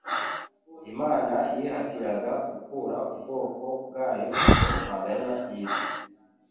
Imana yihatiraga gukura ubwoko bwayo mu maganya y'isi